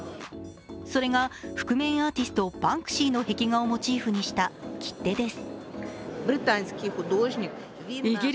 それが覆面アーティストバンクシーの壁画をモチーフにした切手です。